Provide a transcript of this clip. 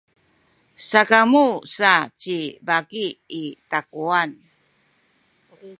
sakamu sa ci baki i takuwanan.